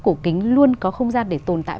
cổ kính luôn có không gian để tồn tại